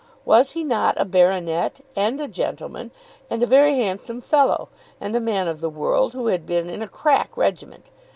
Was he not a baronet, and a gentleman, and a very handsome fellow, and a man of the world who had been in a crack regiment?